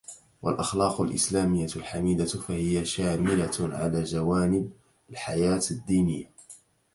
والأخلاق الإسلامية الحميدة فهي شآملة على جوانب الحياة الدينية